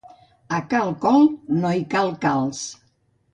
A cal Col no hi cal calç.